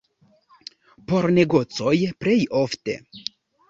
Por negocoj plej ofte.